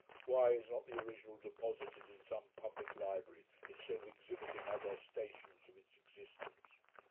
'Why is not the original deposited in some publick library, instead of exhibiting attestations of its existence?